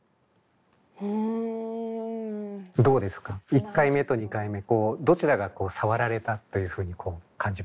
１回目と２回目どちらがさわられたというふうに感じますか？